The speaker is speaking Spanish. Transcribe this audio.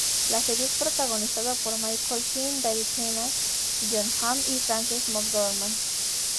La serie es protagonizada por Michael Sheen, David Tennant, Jon Hamm y Frances McDormand.